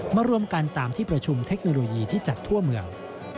รวมกันตามที่ประชุมเทคโนโลยีที่จัดทั่วเมือง